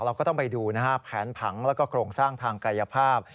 เราก็ต้องไปดูนะฮะแผนผังแล้วก็โครงสร้างทางกายภาพ